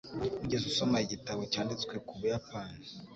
Wigeze usoma igitabo cyanditswe ku Buyapani?